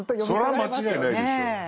それは間違いないでしょう。